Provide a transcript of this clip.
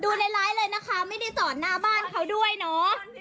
ในไลฟ์เลยนะคะไม่ได้จอดหน้าบ้านเขาด้วยเนาะ